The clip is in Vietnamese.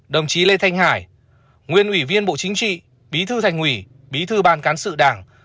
đồng chí lê thanh hải nguyên ủy viên bộ chính trị bí thư thành ủy bí thư ban cán sự đảng